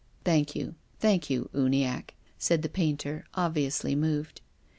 " Thank you, thank you, Uniacke," said the painter, obviously moved.